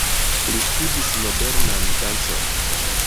Li studis modernan dancon.